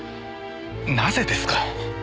なぜですか！？